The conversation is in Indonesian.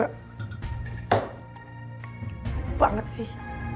gakut banget sih